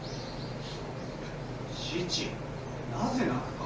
七なぜ泣くか。